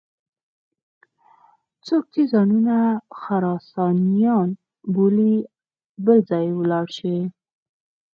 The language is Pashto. څوک چې ځانونه خراسانیان بولي بل ځای ولاړ شي.